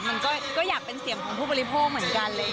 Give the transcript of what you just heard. มันก็อยากเป็นเสียงของผู้บริโภคเหมือนกัน